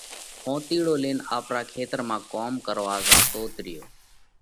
ۿونتِيڙو لينَ آپرا کيتر مانه ڪوم ڪروا زاتوت ريو۔